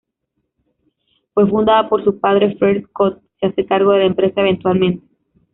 Fue fundada por su padre, Fred Kord se hace cargo de la empresa eventualmente.